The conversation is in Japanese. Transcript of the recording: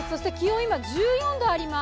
今、１４度あります。